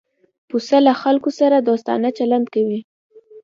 پسه له خلکو سره دوستانه چلند کوي.